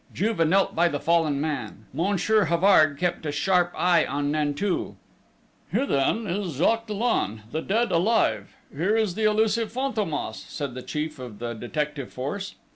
Juve knelt by the fallen man. Monsieur Havard kept a sharp eye on Nanteuil. "Here, then, is Jacques Dollon, the dead alive!... Here is the elusive Fantômas!" said the chief of the detective force.